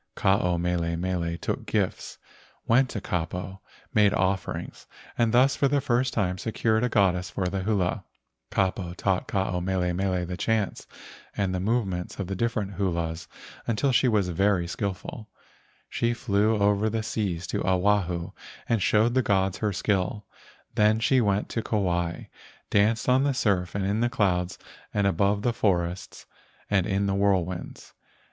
Ke ao mele mele took gifts, went to Kapo, made offerings, and thus for the first time secured a goddess for the hula. DANCING THE HULA THE MAID OF THE GOLDEN CLOUD 141 Kapo taught Ke ao mele mele the chants and the movements of the different hulas until she was very skilful. She flew over the seas to Oahu and showed the gods her skill. Then, she went to Kauai, danced on the surf and in the clouds and above the forests and in the whirlwinds.